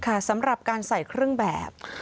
สำหรับการใส่เครื่องแบบ